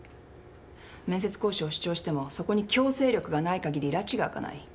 面接交渉を主張してもそこに強制力がないかぎりらちが明かない。